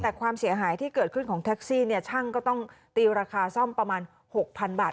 แต่ความเสียหายที่เกิดขึ้นของแท็กซี่เนี่ยช่างก็ต้องตีราคาซ่อมประมาณ๖๐๐๐บาท